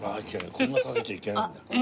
こんなかけちゃいけないんだ。